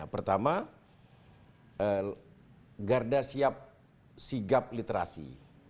pertama garda siap sigap literasi